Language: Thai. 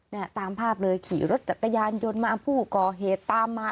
เนี่ยตามภาพเลยขี่รถจักรยานยนต์มาผู้ก่อเหตุตามมา